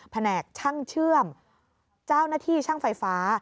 แหนกช่างเชื่อมเจ้าหน้าที่ช่างไฟฟ้า